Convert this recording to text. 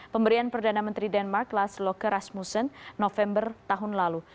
pemberian perdana menteri denmark las loke rasmussen november tahun lalu